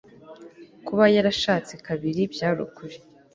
Kuba yarashatse kabiri byari ukuri